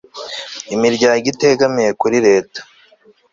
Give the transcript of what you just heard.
imiryango itegamiye kuri leta